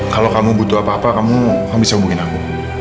kalau kamu butuh apa apa kamu bisa hubungin aku